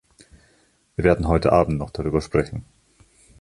Wir werden heute abend noch darüber sprechen.